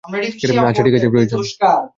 আচ্ছা ঠিক আছে, প্র্য়োজন।